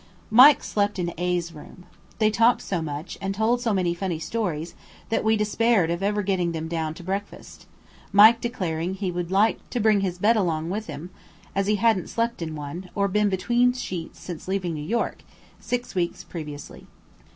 Mike slept in A 's room. They talked so much, and told so many funny stories, that we despaired of ever getting them down to breakfast; Mike declaring he would like to bring his bed along with him, as he hadn't slept in one, or been between sheets since leaving New York, six weeks previously.